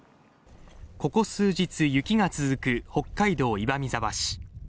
ここ数日、雪が続く北海道岩見沢市。